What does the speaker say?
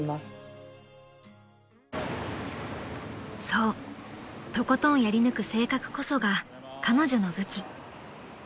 ［そうとことんやり抜く性格こそが彼女の武器］